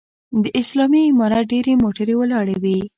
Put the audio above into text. د اسلامي امارت ډېرې موټرې ولاړې وې.